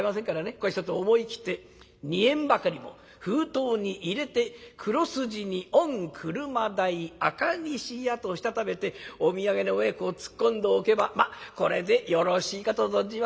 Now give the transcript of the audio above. ここはひとつ思い切って２円ばかりも封筒に入れて黒筋に『御車代赤螺屋』としたためてお土産の上へこう突っ込んでおけばこれでよろしいかと存じます。